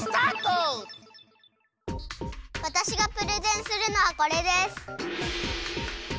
わたしがプレゼンするのはこれです。